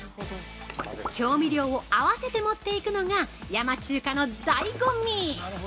◆調味料を合わせて持っていくのが山中華の醍醐味。